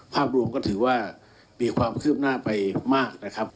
ภาพรวมก็ถือว่ามีความคืบหน้าไปมากนะครับ